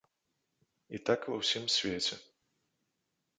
І так ва ўсім свеце.